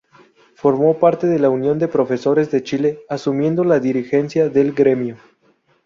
Formó parte de la Unión de Profesores de Chile, asumiendo la dirigencia del gremio.